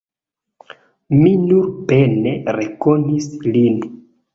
Mi nur pene rekonis lin.